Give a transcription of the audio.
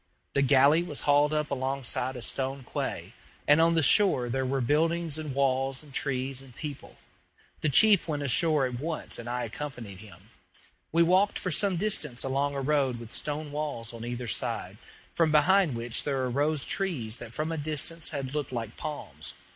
The galley was hauled up alongside a stone quay, and on the shore there were buildings and walls and trees and people. The chief went ashore at once and I accompanied him. We walked for some distance along a road with stone walls on either side, from behind which there arose trees that from a distance had looked like palms.